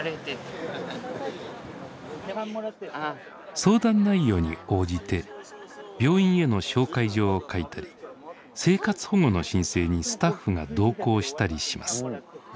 相談内容に応じて病院への紹介状を書いたり生活保護の申請にスタッフが同行したりします。